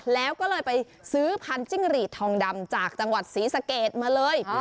แล้วก็เลยไปซื้อพันจิ้งหรีดทองดำจากจังหวัดศรีสะเกดมาเลย